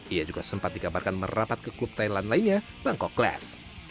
ia juga sempat dikabarkan merapat ke klub thailand lainnya bangkoklas